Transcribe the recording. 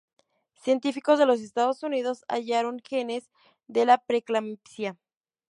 Científicos de los Estados Unidos hallaron genes de la preeclampsia.